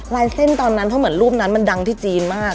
ลายเส้นตอนนั้นเพราะเหมือนรูปนั้นมันดังที่จีนมาก